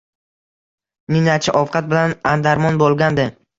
Ninachi ovqat bilan andarmon bo’lgandi.